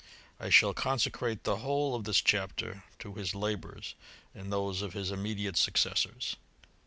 I shall consecrate the whole of this chapter to his la bours, and those of his immediate successors.